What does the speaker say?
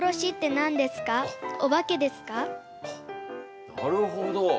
えっとなるほど。